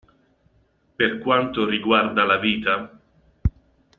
Per quanto riguarda la vita.